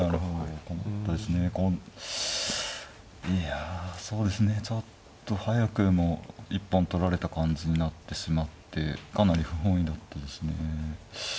いやそうですねちょっと早くも一本取られた感じになってしまってかなり不本意だったですね。